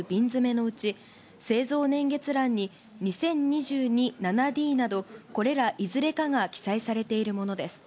樽酒３００ミリリットル瓶詰のうち、製造年月欄に２０２２７Ｄなど、これらいずれかが記載されているものです。